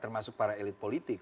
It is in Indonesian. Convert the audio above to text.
termasuk para elit politik